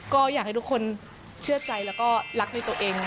ก็อยากให้ทุกคนเชื่อใจแล้วก็รักในตัวเอง